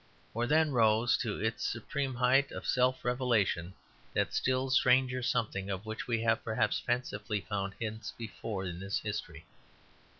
For then rose to its supreme height of self revelation that still stranger something of which we have, perhaps fancifully, found hints before in this history.